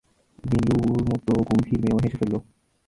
নীলুর মতো গম্ভীর মেয়েও হেসে ফেলল।